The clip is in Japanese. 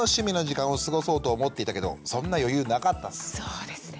そうですね。